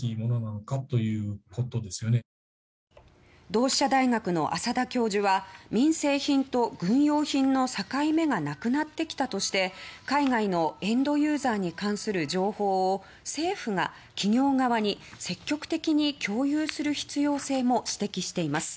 同志社大学の浅田教授は民生品と軍用品の境目がなくなってきたとして海外のエンドユーザーに関する情報を政府が企業側に積極的に共有する必要性も指摘しています。